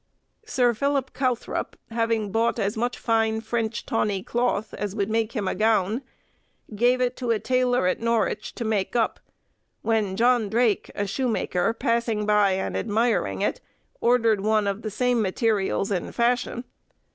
Sir Philip Calthrop, having bought as much fine French tawney cloth as would make him a gown, gave it to a tailor, at Norwich, to make up, when John Drake, a shoemaker, passing by, and admiring it, ordered one of the same materials and fashion.